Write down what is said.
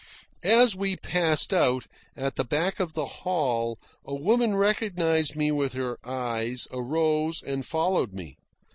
As we passed out, at the back of the hall a woman recognised me with her eyes, arose, and followed me.